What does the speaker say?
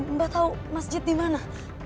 mba tau masjid dimana